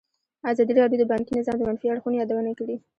ازادي راډیو د بانکي نظام د منفي اړخونو یادونه کړې.